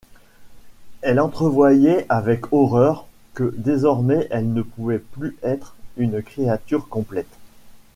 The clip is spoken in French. Elle entrevoyait avec horreur que désormais elle ne pouvait plus être une créature complète.